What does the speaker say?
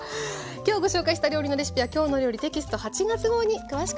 きょうご紹介した料理のレシピは「きょうの料理」テキスト８月号に詳しく掲載しています。